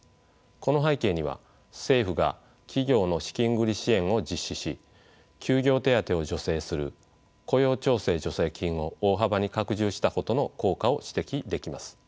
この背景には政府が企業の資金繰り支援を実施し休業手当を助成する雇用調整助成金を大幅に拡充したことの効果を指摘できます。